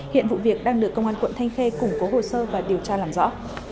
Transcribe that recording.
hiện vụ việc đang được công an quận thanh khê củng cố hồ sơ và điều tra làm rõ